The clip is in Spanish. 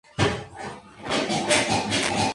Es el tercero de tres hermanos.